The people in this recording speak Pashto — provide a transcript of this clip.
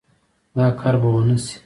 دا کار به ونشي